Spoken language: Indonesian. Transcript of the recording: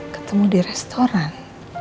ketemu di restoran